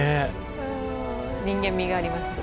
人間味があります。